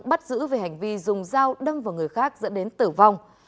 bắt giữ về hành vi dùng dao đâm vào người khác dẫn đến tử vong